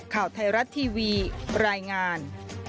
ข่าวไทยรัฐทีวีรายงาน